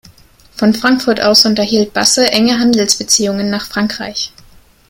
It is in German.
Von Frankfurt aus unterhielt Basse enge Handelsbeziehungen nach Frankreich.